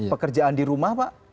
pekerjaan di rumah pak